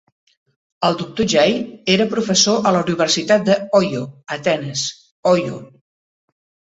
El doctor Gyi era professor a la Universitat d'Ohio a Atenes, Ohio.